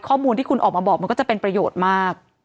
ข้อมูลที่คุณออกมาบอกมันก็จะเป็นประโยชน์มาก